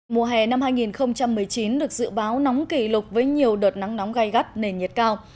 mùa hè năm hai nghìn một mươi chín được dự báo nóng kỷ lục với nhiều đợt nắng nóng gai gắt nền nhiệt cao